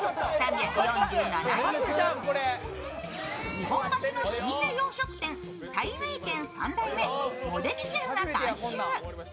日本橋の老舗洋食店たいめいけん３代目茂出木シェフが監修。